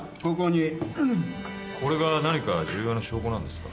これが何か重要な証拠なんですか？